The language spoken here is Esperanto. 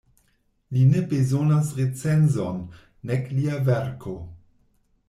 Li ne bezonas recenzon, nek lia verko.